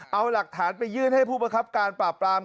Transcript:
เอาหลักฐานไปยื่นให้ผู้ประคับการปราบปราม